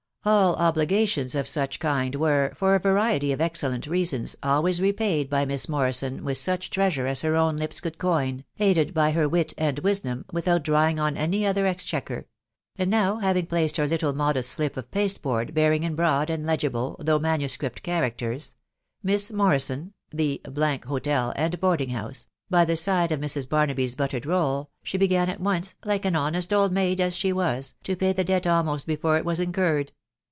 AH ritt. gations of such kind were, for a variety of excellent reason^ always repaid by Miss Morrison with such treasure 'as her vet lips could coin, aided by her wit and wisdom, without diawh% on any other exchequer; and now, having placed her Httfe modest slip of pasteboard, bearing in broad and legible, though manuscript characters, — MISS MORRISON, The Hotel and Boarding House, by the side of Mrs. Barnaby's buttered roll, she began like an honest old maid as she was, to pay the debt ■!«■<■* before it was incurred.